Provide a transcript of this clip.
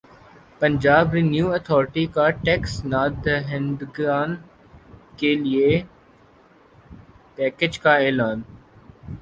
Punjab revenue authority کا tax نادہندگان کیلئے پیکج کا اعلان